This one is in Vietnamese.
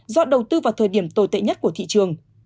do đầu tư vào thời điểm tồi tệ nhất của thị trường